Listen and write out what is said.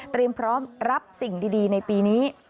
พร้อมรับสิ่งดีในปีนี้